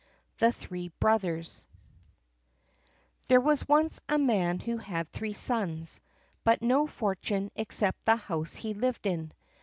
The Three Brothers There was once a man who had three sons, but no fortune except the house he lived in.